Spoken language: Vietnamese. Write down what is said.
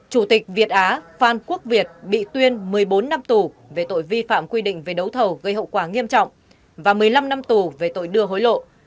chủ tịch việt á phan quốc việt bị tuyên một mươi bốn năm tù về tội vi phạm quy định về đấu thầu gây hậu quả nghiêm trọng và một mươi năm năm tù về tội đưa hối lộ